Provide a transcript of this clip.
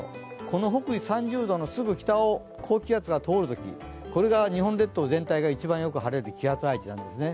この北緯３０度のすぐ北に高気圧が通るとき、これが日本列島全体が一番よく晴れる気圧配置なんですね。